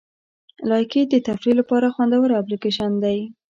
لایکي د تفریح لپاره خوندوره اپلیکیشن دی.